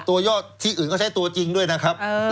ยอดที่อื่นก็ใช้ตัวจริงด้วยนะครับ